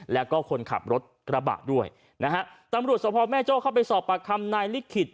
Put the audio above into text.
แล้วก็คนขับรถกระบะด้วยนะฮะตำรวจสภแม่โจ้เข้าไปสอบปากคำนายลิขิต